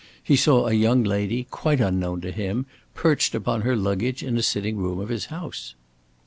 He saw a young lady, quite unknown to him, perched upon her luggage in a sitting room of his house.